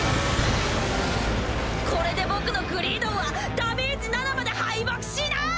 これで僕のグリードンはダメージ７まで敗北しない！